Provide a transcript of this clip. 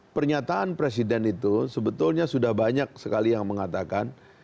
pernyataan presiden itu sebetulnya sudah banyak sekali yang mengatakan